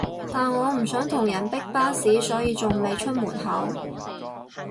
但我唔想同人逼巴士所以仲未出門口